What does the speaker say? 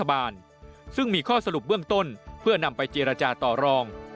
เบื้องต้นเพื่อนำไปจิราจาต่อรอง